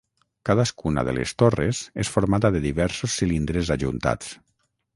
Cadascuna de les torres és formada de diversos cilindres ajuntats.